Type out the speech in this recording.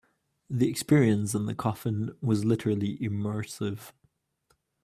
The experience in the coffin was literally immersive.